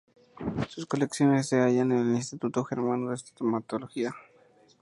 Sus colecciones se hallan en el Instituto Germano de Entomología.